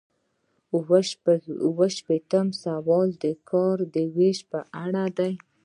اووه شپیتم سوال د کار ویش په اړه دی.